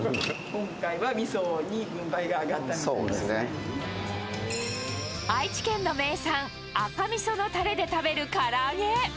今回はみそに軍配が上がった愛知県の名産、赤みそのたれで食べるから揚げ。